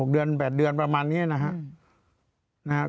เดือน๘เดือนประมาณนี้นะครับ